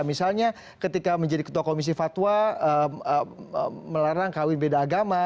misalnya ketika menjadi ketua komisi fatwa melarang kawin beda agama